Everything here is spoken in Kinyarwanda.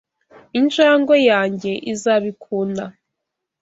Injangwe yanjye izabikunda.